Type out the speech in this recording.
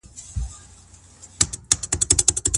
په قلم خط لیکل په ټاکلي وخت کي د کار بشپړول غواړي.